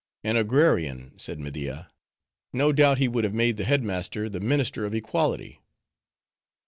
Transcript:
"An agrarian!" said Media; "no doubt he would have made the headsman the minister of equality."